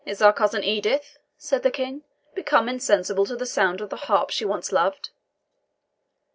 "Is our cousin Edith," said the King, "become insensible to the sound of the harp she once loved?"